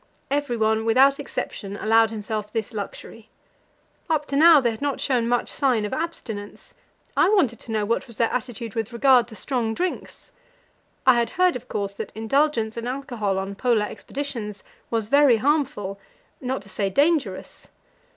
Everyone, without exception, allowed himself this luxury. Up to now they had not shown much sign of abstinence; I wanted to know what was their attitude with regard to strong drinks. I had heard, of course, that indulgence in alcohol on Polar expeditions was very harmful, not to say dangerous.